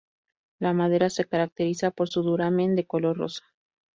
La madera se caracteriza por su duramen de color rosa.